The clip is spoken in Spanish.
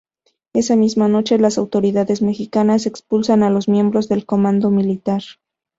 Esa misma noche las autoridades mexicanas expulsan a los miembros del comando militar.